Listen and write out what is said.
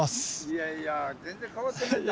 いやいや全然変わってないじゃん！